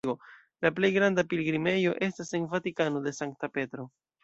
La plej granda pilgrimejo estas en Vatikano de Sankta Petro.